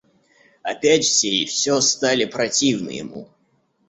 Опять все и всё стали противны ему.